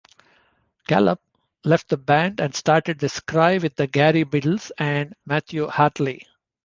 Gallup left the band and started The Cry with Gary Biddles and Matthieu Hartley.